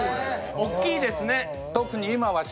おっきいですね。